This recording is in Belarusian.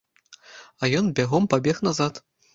А ён бягом пабег назад.